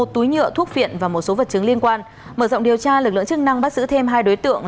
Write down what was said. một túi nhựa thuốc viện và một số vật chứng liên quan mở rộng điều tra lực lượng chức năng bắt giữ thêm hai đối tượng